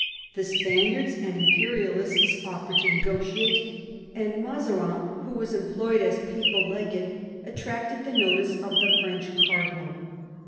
The Spaniards and Imperialists offered to negotiate, and Mazarin, who was employed as papal legate, attracted the notice of the French cardinal.